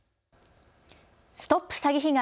ＳＴＯＰ詐欺被害！